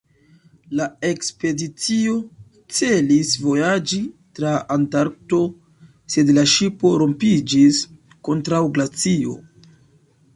La ekspedicio celis vojaĝi tra Antarkto, sed la ŝipo rompiĝis kontraŭ glacio.